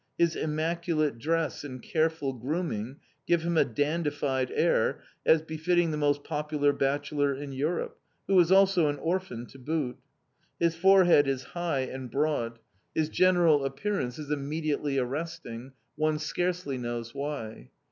His immaculate dress and careful grooming give him a dandified air, as befitting the most popular bachelor in Europe, who is also an orphan to boot. His forehead is high and broad. His general appearance is immediately arresting, one scarcely knows why.